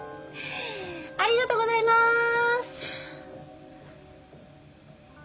ああありがとうございまーす。